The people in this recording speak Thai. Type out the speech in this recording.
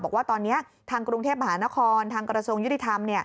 บอกว่าตอนนี้ทางกรุงเทพมหานครทางกระทรวงยุติธรรม